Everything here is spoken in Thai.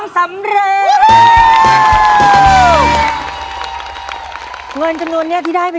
สำเร็จวู้ฮู